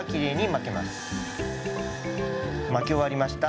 巻き終わりました。